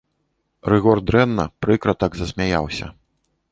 Рыгор дрэнна, прыкра так засмяяўся.